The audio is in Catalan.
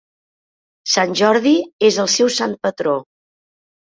Sant Jordi és el seu sant patró.